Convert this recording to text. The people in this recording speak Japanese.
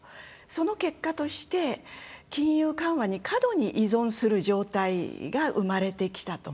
その結果として金融緩和に過度に依存する状態が生まれてきたと。